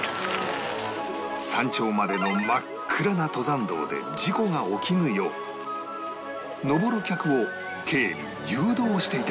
山頂までの真っ暗な登山道で事故が起きぬよう登る客を警備・誘導していた